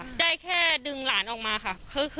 ก็กลายเป็นว่าติดต่อพี่น้องคู่นี้ไม่ได้เลยค่ะ